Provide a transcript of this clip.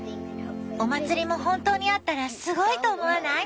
お祭りも本当にあったらすごいと思わない？